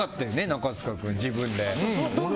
中務君、自分で。